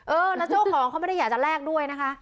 เออแล้วเจ้าของเขาไม่ได้อยากจะแลกด้วยนะคะ